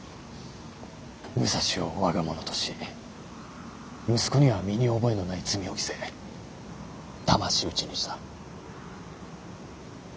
武蔵を我が物とし息子には身に覚えのない罪を着せだまし討ちにした。